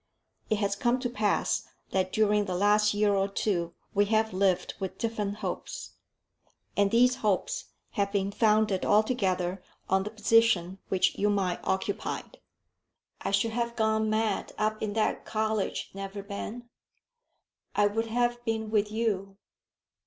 It has come to pass that during the last year or two we have lived with different hopes. And these hopes have been founded altogether on the position which you might occupy." "I should have gone mad up in that college, Neverbend." "I would have been with you."